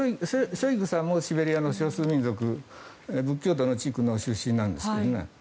ショイグさんもシベリアの少数民族仏教徒の地域出身なんですけどね。